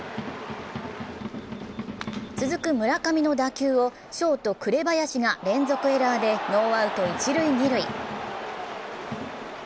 続く村上の打球をショート・紅林が連続エラーでノーアウト一・二塁。